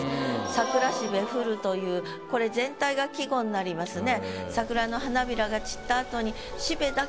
「桜蘂降る」というこれ全体が季語になりますね。